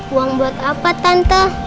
uang buat apa tante